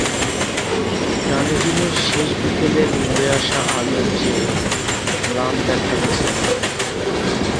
ডানেডিনের শেষ বিকেলের মরে আসা আলোর চেয়েও ম্লান দেখাল স্যামির মুখ।